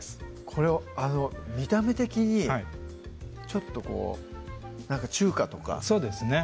これ見た目的にちょっとこうなんか中華とかそうですね